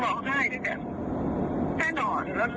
ต่อตรงนี้เขาถึงเขาก็